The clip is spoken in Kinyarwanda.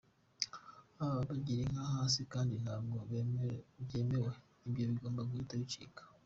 Abo babagira inka hasi kandi ntabwo byemewe, ibyo bigomba guhita bicika.